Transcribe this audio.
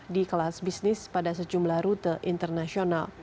di kelas bisnis pada sejumlah rute internasional